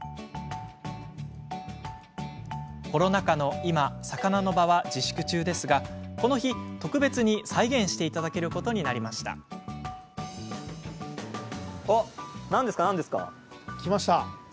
コロナ禍の今さかなのばは自粛中ですがこの日、特別に再現していただけることになりました。来ました。